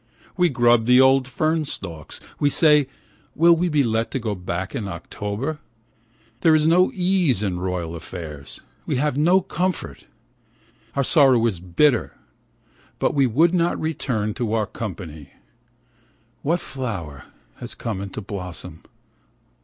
We grub the old fern stalks. We say : Will we be let to go back in October ? There is no ease in royal affairs, we have no comfort. Our sorrow is bitter, but we would not return to our country. What flower has come into blossom